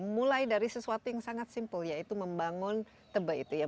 mulai dari sesuatu yang sangat simpel yaitu membangun tebe itu ya